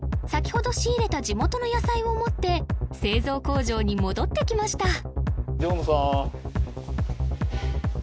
先ほど仕入れた地元の野菜を持って製造工場に戻ってきました